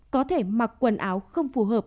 có thể mặc quần áo không phù hợp